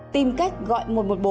tìm cách gọi một trăm một mươi bốn